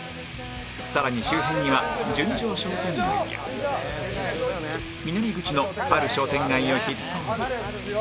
更に周辺には純情商店街や南口のパル商店街を筆頭に